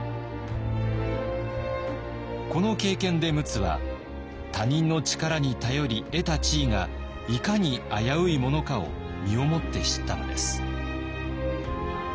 この経験で陸奥は他人の力に頼り得た地位がいかに危ういものかを身をもって知ったのです。